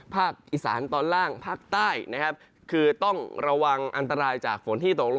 แล้วจะตกลงมาซึ่งพื้นที่จะเกิดฝนนี่นะครับ